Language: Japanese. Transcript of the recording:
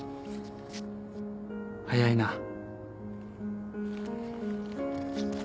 早いな。